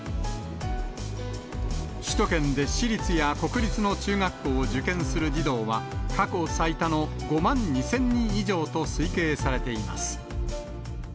首都圏で私立や国立の中学校を受験する児童は、過去最多の５万２０００人以上と推計されています。